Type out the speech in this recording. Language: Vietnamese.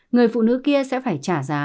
người phụ nữ kia sẽ phải trả giá